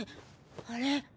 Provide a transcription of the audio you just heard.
あれ？